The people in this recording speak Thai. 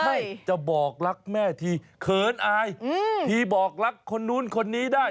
ใช่จะบอกรักแม่ทีเขินอายทีบอกรักคนนู้นคนนี้ได้